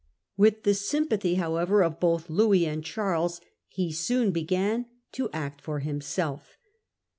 With the sympathy however of both Louis and Charles, he soon began to act for himself.